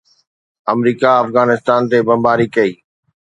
آمريڪا افغانستان تي بمباري ڪئي.